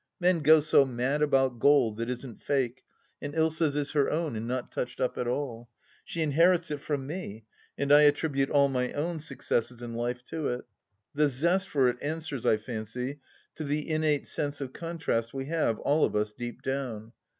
Men go so mad about gold that isn't fake, and Ilsa's is her own, and not touched up at all. She inherits it from me, and I attribute all my own successes in life to it. The zest for it answers, I fancy, to the innate sense of contrast we have, all of us, deep down.